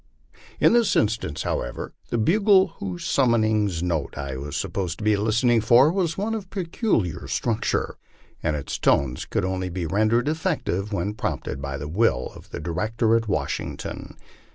N this instance, however, the bugle whose summoning notes I was gap posed to be listening for was one of peculiar structure, and its tones could only be rendered effective when prompted by the will of the director at Wash ington.